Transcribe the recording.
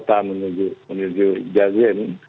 dari jakarta menuju jajin